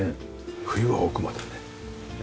冬は奥までね。